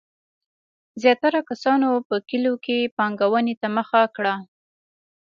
زیاتره کسانو په کلیو کې پانګونې ته مخه کړه.